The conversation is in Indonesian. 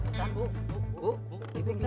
ya bu sebentar